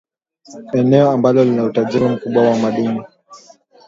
Eneo ambalo lina utajiri mkubwa wa madini.